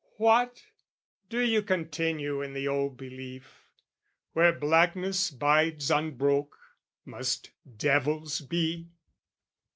What? "Do you continue in the old belief? "Where blackness bides unbroke, must devils be?